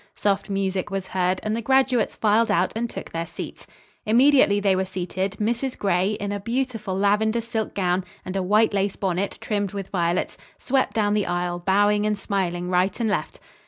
Soft music was heard and the graduates filed out and took their seats. Immediately they were seated, Mrs. Gray, in a beautiful lavender silk gown and a white lace bonnet trimmed with violets, swept down the aisle, bowing and smiling right and left.